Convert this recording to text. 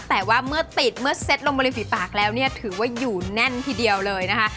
แต่ว่าเมื่อติดเมื่อเซ็ตลงมาริฝีปากแล้วเนี่ยถือว่าอยู่แน่นทีเดียวเลยนะคะ